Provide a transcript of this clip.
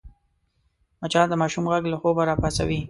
مچان د ماشوم غږ له خوبه راپاڅوي